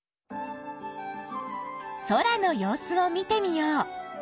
空の様子を見てみよう。